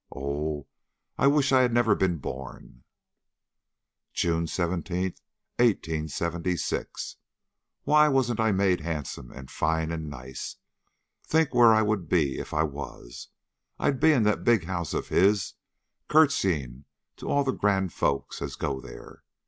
Oh, I wish I had never been born!" "JUNE 17, 1876. Why wasn't I made handsome and fine and nice? Think where I would be if I was! I'd be in that big house of his, curtesying to all the grand folks as go there.